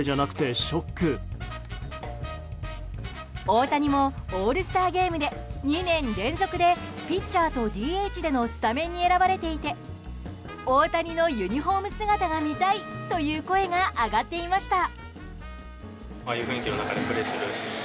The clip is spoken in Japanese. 大谷もオールスターゲームで２年連続でピッチャーとＤＨでのスタメンに選ばれていて大谷のユニホーム姿が見たいという声が上がっていました。